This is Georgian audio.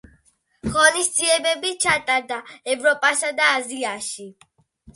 ღონისძიებები ჩატარდა ევროპასა და აზიაში.